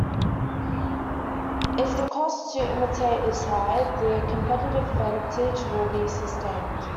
If the cost to imitate is high, the competitive advantage will be sustained.